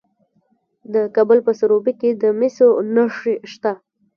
د کابل په سروبي کې د مسو نښې شته.